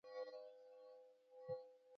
عدم تشدد د تاوتریخوالي نشتون ته وايي.